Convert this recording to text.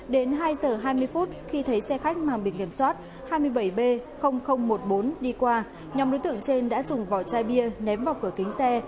đến hai giờ hai mươi phút khi thấy xe khách mang biển kiểm soát hai mươi bảy b một mươi bốn đi qua nhóm đối tượng trên đã dùng vỏ chai bia ném vào cửa kính xe